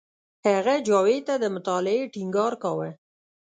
هغه جاوید ته د مطالعې ټینګار کاوه